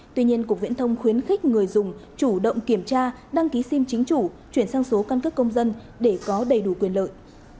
tuy nhiên cục viễn thông khuyến khích người dùng chủ động kiểm tra đăng ký sim chính chủ chuyển sang số căn cước công dân để có đầy đủ quyền lợi